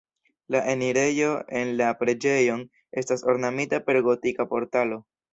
La enirejo en la preĝejon estas ornamita per gotika portalo.